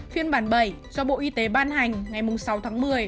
phiên bản bảy do bộ y tế ban hành ngày sáu tháng một mươi